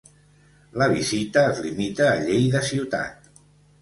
La visita es limita a Lleida ciutat.